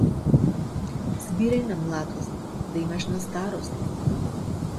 Збирај на младост, да имаш на старост.